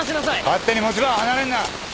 勝手に持ち場を離れるな！